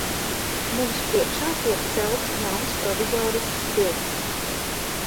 Mums priekšā tiek celts jauns provizorisks tilts.